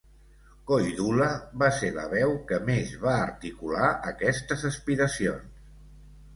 Koidula va ser la veu que més va articular aquestes aspiracions.